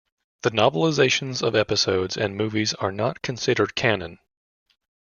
The novelizations of episodes and movies are not considered canon.